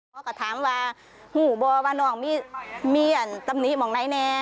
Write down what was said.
พ่อก็ถามว่าว่าน้องมีอันตรับนี้ของไหน